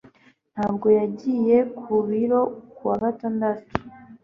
Ntabwo yagiye ku biro kuwa gatandatu